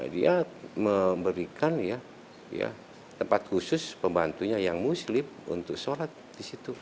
dia memberikan tempat khusus pembantunya yang muslim untuk sholat di situ